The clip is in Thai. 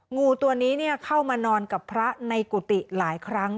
งูตัวนี้เข้ามานอนกับพระในกุฏิหลายครั้ง